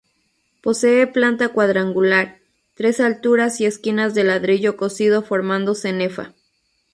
Posee planta cuadrangular, tres alturas y esquinas de ladrillo cocido formando cenefa.